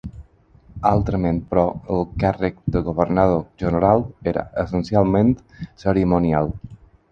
Altrament però el càrrec de Governador-General era essencialment cerimonial.